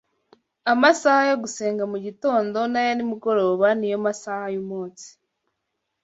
Amasaha yo gusenga mu gitondo n’aya nimugoroba ni yo masaha y’umunsi